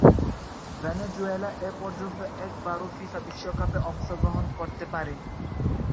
Venezuela এপর্যন্ত একবারও FIFA বিশ্বকাপে অংশগ্রহণ করতে পারেনি।